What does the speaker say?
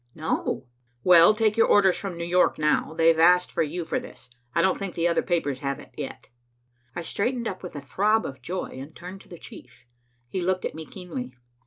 "No." "Well, take your orders from New York now. They've asked for you for this. I don't think the other papers have it yet." I straightened up with a throb of joy and turned to the chief. He looked at me keenly.